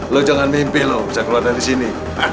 lo jangan mimpi lo bisa keluar dari sini